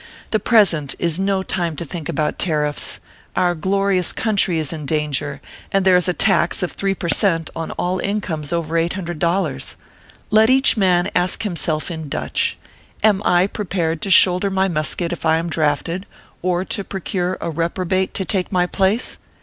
The present is no time to think about tariffs : our glorious country is in danger, and there is a tax of three per cent, on all incomes over ORPHEUS C. KERll PAPERS. 103 eight hundred dollars. Let each man ask himself in Dutch :" Am I prepared to shoulder my musket if I am drafted, or to procure a reprobate to take my place